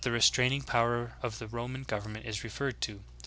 restraining power of the Roman government is referred to.